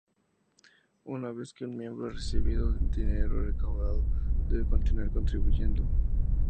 Una vez que un miembro ha recibido el dinero recaudado, debe continuar contribuyendo.